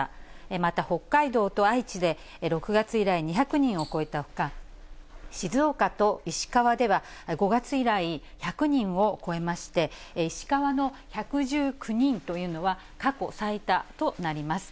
また北海道と愛知で６月以来、２００人を超えたほか、静岡と石川では、５月以来１００人を超えまして、石川の１１９人というのは、過去最多となります。